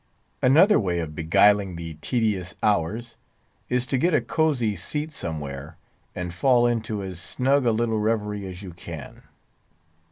Another way of beguiling the tedious hours, is to get a cosy seat somewhere, and fall into as snug a little reverie as you can.